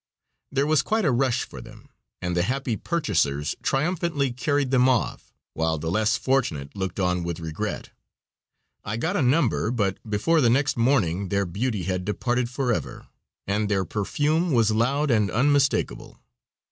There was quite a rush for them, and the happy purchasers triumphantly carried them off, while the less fortunate looked on with regret. I got a number, but before the next morning their beauty had departed forever, and their perfume was loud and unmistakable.